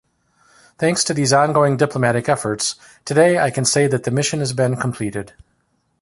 Thanks to these ongoing diplomatic efforts, today I can say that the mission has been completed.